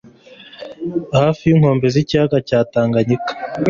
hafi y'inkombe z'Ikiyaga cya Tanganyika